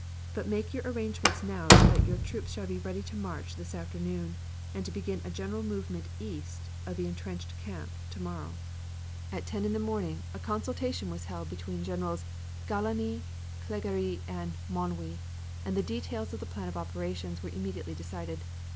But make your arrangements now so that your troops shall be ready to march this afternoon and to begin a general movement east of the intrenched camp tomorrow. At ten in the morning a consultation was held by Generals Gallieni, Clergerie, and Manoury, and the details of the plan of operations were immediately decided.